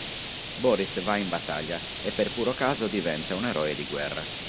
Boris va in battaglia e per puro caso diventa un eroe di guerra.